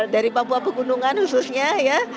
dari papua pegunungan khususnya ya